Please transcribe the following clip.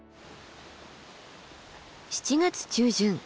７月中旬